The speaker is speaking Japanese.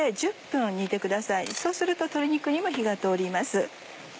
そうすると鶏肉にも火が通ります。